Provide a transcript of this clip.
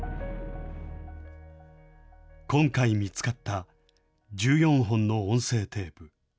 今回見つかった、１４本の音声テープ。